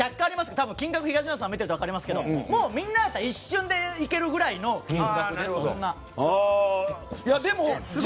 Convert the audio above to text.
多分、東野さんは見たから分かりますけどみんなだったら一瞬でいけるぐらいの金額ですよ。